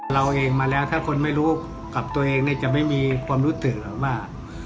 เราเองมาแล้วถ้าคนไม่รู้กับตัวเองเนี่ยจะไม่มีความรู้สึกหรอกว่า